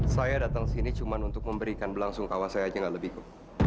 saya datang sini cuma untuk memberikan belangsung kawas saya aja nggak lebih bu